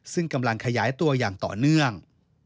ซึ่งกำลังขยายตัวอย่างต่อเนื่อง